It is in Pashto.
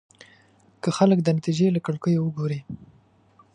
که خلک د نتيجې له کړکيو وګوري.